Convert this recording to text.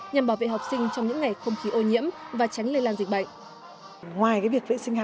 nhằm bảo vệ học sinh trong những ngày không khí ô nhiễm và tránh lây lan dịch bệnh